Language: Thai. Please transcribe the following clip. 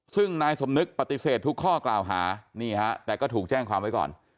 ซึ่งนายสมนึกปฏิเสธทุกข้อกล่าวหานี่ฮะแต่ก็ถูกแจ้งความไว้ก่อน